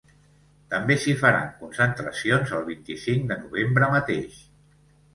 També s’hi faran concentracions el vint-i-cinc de novembre mateix.